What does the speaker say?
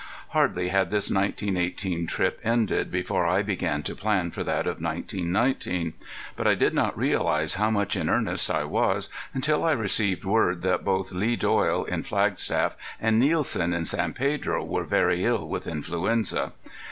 Hardly had this 1918 trip ended before I began to plan for that of 1919. But I did not realize how much in earnest I was until I received word that both Lee Doyle in Flagstaff and Nielsen in San Pedro were very ill with influenza.